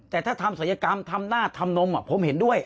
แต่ถ้าทำศัลยกรรมทำหน้าทำนมผมเห็นด้วย